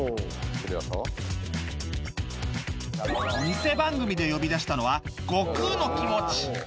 ニセ番組で呼び出したのは悟空のきもち